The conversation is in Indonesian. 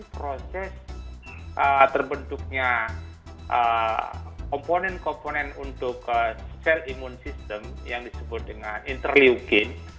proses terbentuknya komponen komponen untuk sel imun system yang disebut dengan interliukin